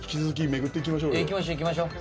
行きましょう行きましょう。